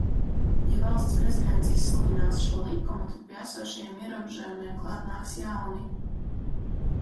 Ja Valsts prezidents izsludinās šo likumu, tad pie esošajiem ierobežojumiem klāt nāks jauni.